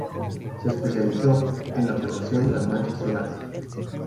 Se especializó en la observación de las manchas solares.